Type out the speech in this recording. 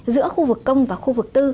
giữa khu vực công và khu vực tư